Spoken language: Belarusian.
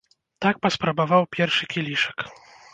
Так паспрабаваў першы кілішак.